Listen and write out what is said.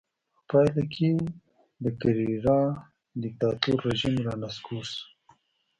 په پایله کې د کرېرارا دیکتاتور رژیم رانسکور شو.